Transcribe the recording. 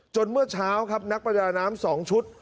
เมื่อเช้าครับนักประดาน้ำ๒ชุด